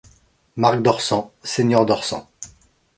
Marc d'Orsans, seigneur d'Orsans.